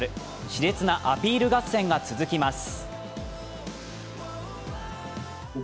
し烈なアピール合戦が続きます。